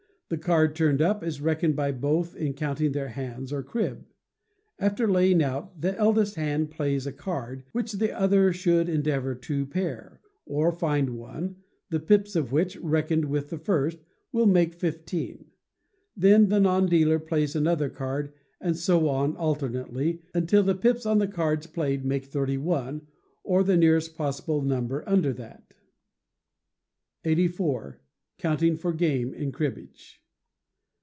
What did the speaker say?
The card turned up is reckoned by both in counting their hands or crib. After laying out, the eldest hand plays a card, which the other should endeavour to pair, or find one, the pips of which, reckoned with the first, will make fifteen; then the non dealer plays another card, and so on alternately, until the pips on the cards played make thirty one, or the nearest possible number under that. 84. Counting for Game in Cribbage.